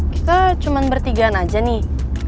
kita cuma bertigaan aja nih